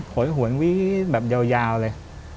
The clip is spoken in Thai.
โหยหวนวีแบบยาวเลย